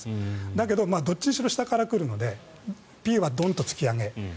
だけどどっちにしろ下から来るのでＰはドンと突き上げ